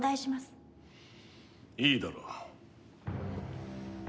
いいだろう。